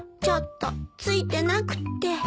ちょっとついてなくって。